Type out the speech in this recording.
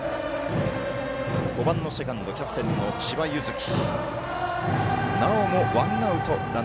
５番、セカンドキャプテンの千葉柚樹。